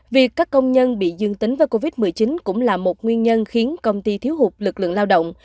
việc các công nhân bị dương tính với covid một mươi chín cũng là một nguyên nhân khiến công ty thiếu hụt lực lượng lao động